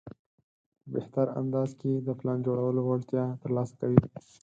په بهتر انداز کې د پلان جوړولو وړتیا ترلاسه کوي.